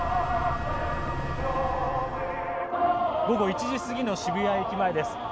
午後１時過ぎの渋谷駅前です。